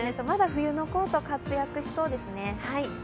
まだ冬のコート、活躍しそうですね。